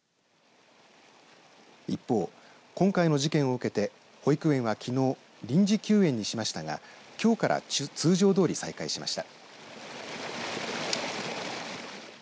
一方、今回の事件を受けて保育園はきのう臨時休園にしましたがきょうから通常どおり再開しました。